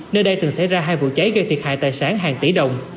nơi đây từng xảy ra hai vụ cháy gây thiệt hại tài sản hàng tỷ đồng